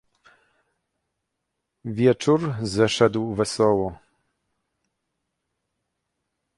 "Wieczór zeszedł wesoło."